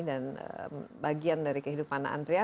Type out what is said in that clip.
dan bagian dari kehidupan anda andrea